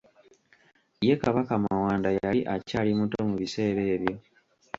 Ye Kabaka Mawanda yali akyali muto mu biseera ebyo.